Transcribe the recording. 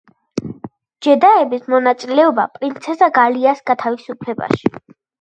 ჯედაების მონაწილეობა პრინცესა გალიას გათავისუფლებაში.